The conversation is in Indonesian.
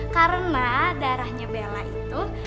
karena darahnya bella itu